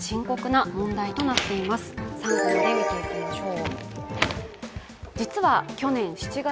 ３コマで見ていきましょう。